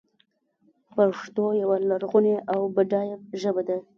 پښتو یوه لرغونې او بډایه ژبه ده.